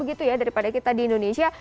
gitu ya daripada kita di indonesia